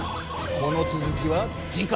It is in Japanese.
このつづきは次回。